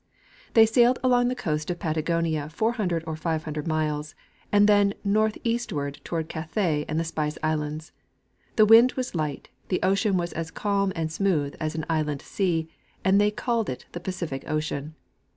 They sailed along the coast of Patagonia 400 or 500 miles, and then northeastward toward Cathay and the Spice islands. The wind was light, the ocean was as calm and smooth as an inland sea, and they called it the Pacific ocean.